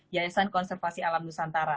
yayasan konservasi alam nusantara